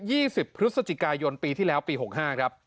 ชีวิต๒๐พฤศจิกายนปีที่แล้วปี๖๕ครับ